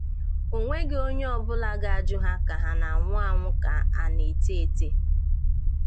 Onweghị onye ọbụla ga-ajụ ha ka a na-anwụ anwụ ka a na-ete ete